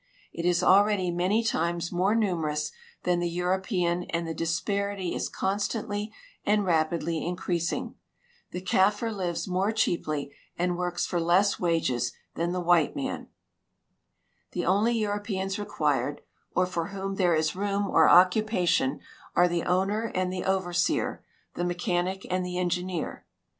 It is already many times more numerous than the European and the disparity is constantly and rapidly increasing. The Kaffir lives more cheaply and works for less wages than the white man. The only GEOGRAPHIC RELATION OF THE THREE AMERICAS 175 Europeans required, or for whom there is room or occupation, are the OAvner and the OA'erseer, the mechanic and tlie engineer.